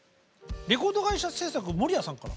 レコード会社制作守谷さんから。